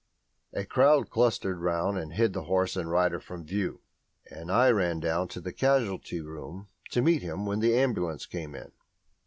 A crowd clustered round and hid horse and rider from view, and I ran down to the casualty room to meet him when the ambulance came in.